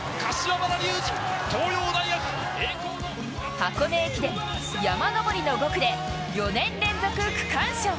箱根駅伝、山登りの５区で４年連続区間賞。